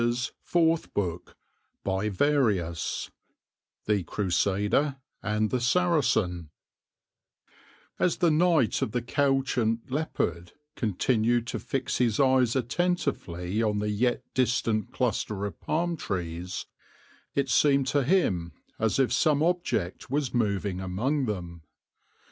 Cecil Frances Alexander THE CRUSADER AND THE SARACEN As the Knight of the Couchant Leopard continued to fix his eyes attentively on the yet distant cluster of palm trees, it seemed to him as if some object was moving among them.